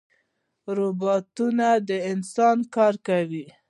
روبوټونه د انسان کار کوي